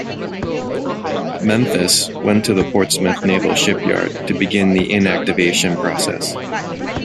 "Memphis" went to the Portsmouth Naval Shipyard to begin the inactivation process.